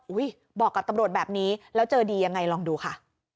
บอกกับตำรวจแบบนี้แล้วเจอดียังไงลองดูค่ะ